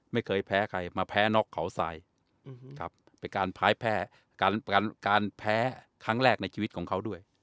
ไม่เคยแพ้ใครมาแพ้น็อกเขาทรายครับเป็นการแพ้การแพ้ครั้งแรกในชีวิตของเขาด้วย